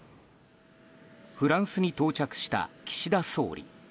フランスに到着した岸田総理。